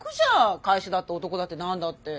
会社だって男だって何だって。